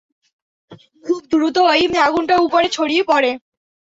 খুব দ্রুতই আগুনটা উপরে ছড়িয়ে পড়ে!